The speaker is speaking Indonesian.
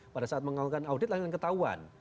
pada saat mengawalkan audit lah dengan ketahuan